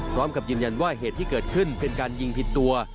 พร้อมกับยืนยันว่าเหตุที่เกิดขึ้นเป็นการยิงผิดตัว